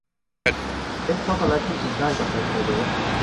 เค้กชอคโกแล็ตที่อุ่นได้กับไมโครเวฟ